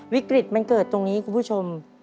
วิกฤตมันเกิดตรงนี้คุณผู้ชม